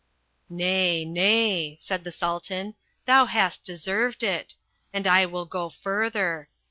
"Nay, nay," said the Sultan. "Thou hast deserved it. And I will go further.